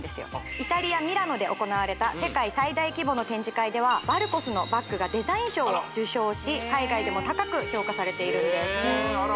イタリアミラノで行われた世界最大規模の展示会ではバルコスのバッグがデザイン賞を受賞し海外でも高く評価されているんですへえあら